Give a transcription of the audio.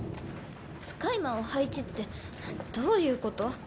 「使い魔を配置」ってどういうこと？